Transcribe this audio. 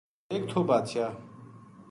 ایک تھو بادشاہ